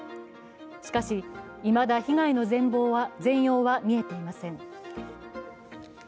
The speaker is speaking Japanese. しかし、いまだ被害の全容は見えていません。